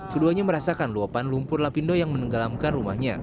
keduanya merasakan luapan lumpur lapindo yang menenggelamkan rumahnya